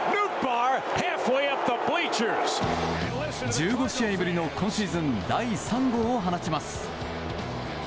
１５試合ぶりの今シーズン第３号を放ちます。